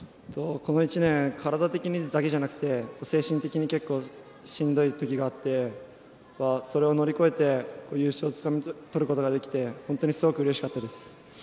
この１年体的にだけじゃなくて精神的に結構しんどいときがあってそれを乗り越えて優勝をつかみ取ることができて本当にすごくうれしかったです。